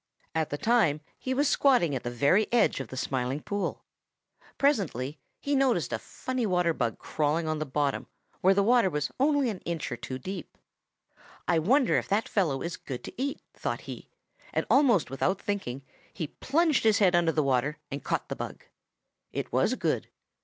"At the time he was squatting at the very edge of the Smiling Pool. Presently he noticed a funny water bug crawling on the bottom where the water was only an inch or two deep. 'I wonder if that fellow is good to eat,' thought he, and almost without thinking he plunged his head under water and caught the bug. It was good.